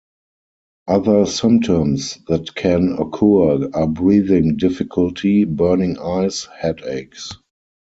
Other symptoms that can occur are breathing difficulty, burning eyes, headaches.